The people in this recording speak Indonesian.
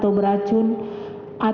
atau beracun yang berat